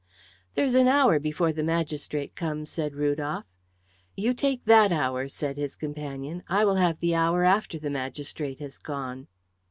"There is an hour before the magistrate comes," said Rudolf. "You take that hour," said his companion; "I will have the hour after the magistrate has gone."